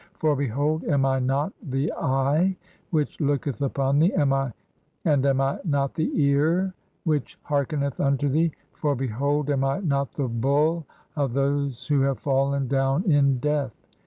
(7) For, behold, am I not "the eye which looketh upon thee? And am I not the ear which "hearkeneth unto [thee] ? For, behold, am I not the bull of those "who have fallen down in death?